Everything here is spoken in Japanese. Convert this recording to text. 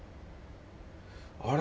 あれ？